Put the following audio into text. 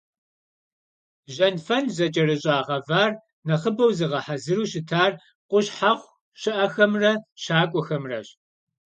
Жьэнфэн зэкӀэрыщӀа гъэвар нэхъыбэу зыгъэхьэзыру щытар къущхьэхъу щыӀэхэмрэ щакӀуэхэмрэщ.